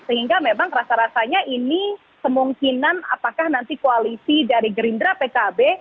sehingga memang rasa rasanya ini kemungkinan apakah nanti koalisi dari gerindra pkb